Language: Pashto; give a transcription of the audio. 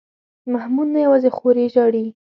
محمود نه یوازې خور یې ژاړي.